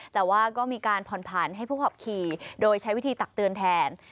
แต่ว่าก็มีการผ่อนผันให้ผู้ขับขี่โดยใช้วิธีตักเตือนแทน